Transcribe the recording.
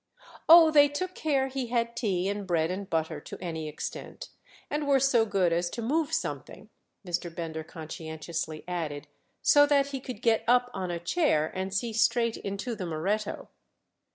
"Oh, they took care he had tea and bread and butter to any extent; and were so good as to move something," Mr. Bender conscientiously added, "so that he could get up on a chair and see straight into the Moretto."